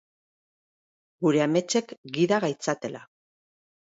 Gure ametxek gida gaitzatela